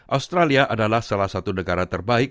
australia adalah salah satu negara terbaik